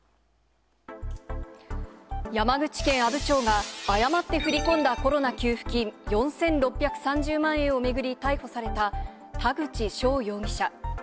山口県阿武町が誤って振り込んだコロナ給付金４６３０万円を巡り逮捕された、田口翔容疑者。